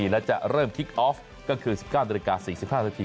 และจะเริ่มคลิกออฟก็คือ๑๙น๔๕นสักที